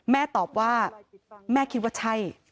ตอบว่าแม่คิดว่าใช่